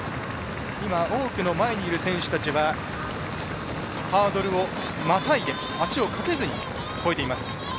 今多くの前にいる選手たちはハードルをまたいで足をかけずに越えています。